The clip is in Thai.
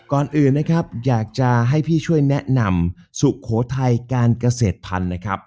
ก่อนอื่นนะครับอยากจะให้พี่ช่วยแนะนำสุโขทัยการเกษตรพันธุ์นะครับ